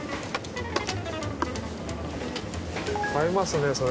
買いますねそれ。